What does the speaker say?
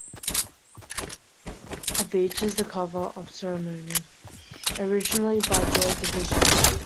It features a cover of "Ceremony", originally by Joy Division.